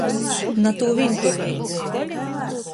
Na tū vīntuleibu.